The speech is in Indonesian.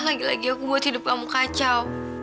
lagi lagi buat hidup kamu kacau